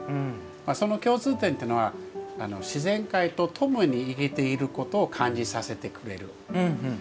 その共通点というのは自然界と共に生きていることを感じさせてくれる。